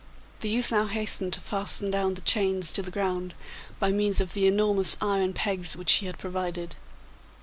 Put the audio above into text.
The youth now hastened to fasten down the chains to the ground by means of the enormous iron pegs which he had provided.